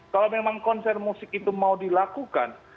kalau memang konser musik itu mau dilakukan